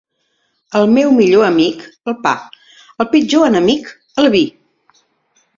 El meu millor amic, el pa; el pitjor enemic, el vi.